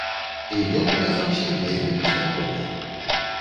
І ён аказаўся вельмі паспяховым.